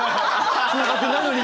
つながってないのに？